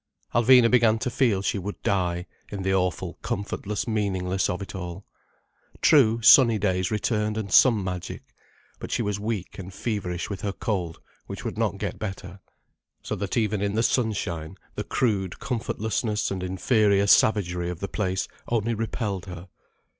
Alvina began to feel she would die, in the awful comfortless meaninglessness of it all. True, sunny days returned and some magic. But she was weak and feverish with her cold, which would not get better. So that even in the sunshine the crude comfortlessness and inferior savagery of the place only repelled her.